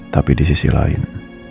tapi di sisi lain